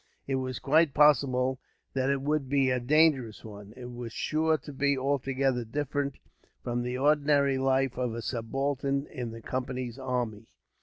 It was quite possible that it would be a dangerous one. It was sure to be altogether different from the ordinary life of a subaltern in the Company's army.